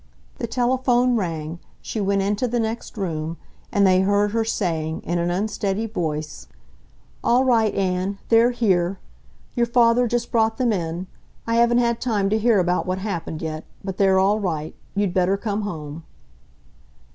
The telephone rang, she went into the next room, and they heard her saying, in an unsteady voice: "All right, Ann. They're here. Your father just brought them in. I haven't had time to hear about what happened yet. But they're all right. You'd better come home."